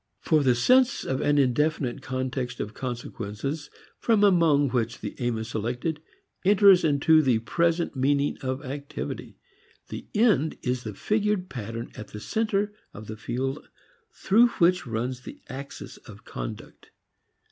For the sense of an indefinite context of consequences from among which the aim is selected enters into the present meaning of activity. The "end" is the figured pattern at the center of the field through which runs the axis of conduct.